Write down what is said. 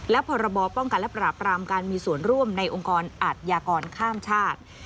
และพรบป้องกันและปราบรามการมีส่วนร่วมในองค์กรอาทยากรข้ามชาติ